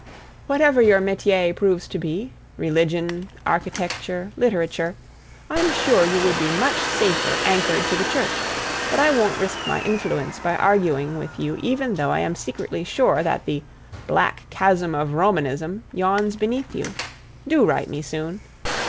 Whatever your metier proves to be—religion, architecture, literature—I'm sure you would be much safer anchored to the Church, but I won't risk my influence by arguing with you even though I am secretly sure that the "black chasm of Romanism" yawns beneath you. Do write me soon.